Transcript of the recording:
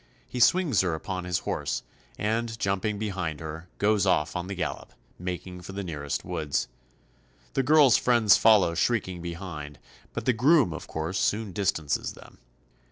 He swings her upon his horse, and jumping behind her, goes off on the gallop, making for the nearest woods. The girl's friends follow shrieking behind, but the groom of course soon distances them.